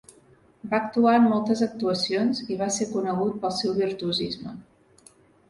Va actuar en moltes actuacions i va ser conegut pel seu virtuosisme.